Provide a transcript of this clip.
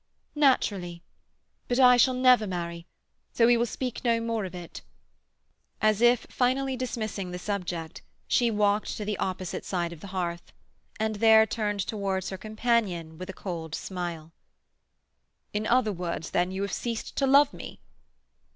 "Naturally. But I shall never marry, so we will speak no more of it." As if finally dismissing the subject she walked to the opposite side of the hearth, and there turned towards her companion with a cold smile. "In other words, then, you have ceased to love me?"